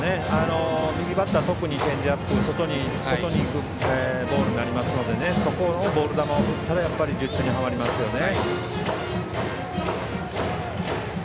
右バッターは特にチェンジアップ外に行くボールになりますのでそこのボール球を振ったら術中にはまりますよね。